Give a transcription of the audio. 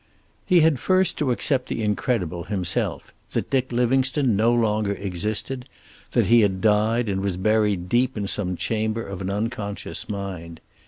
He had first to accept the incredible, himself that Dick Livingstone no longer existed, that he had died and was buried deep in some chamber of an unconscious mind.